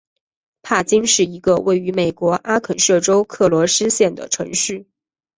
帕金是一个位于美国阿肯色州克罗斯县的城市。